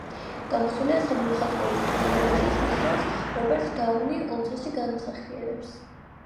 გამოსულია სამი მხატვრული ფილმი, რომელშიც მის როლს რობერტ დაუნი უმცროსი განასახიერებს.